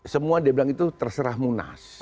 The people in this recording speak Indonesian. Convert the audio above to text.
semua dia bilang itu terserah munas